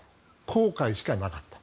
公海しかなかった。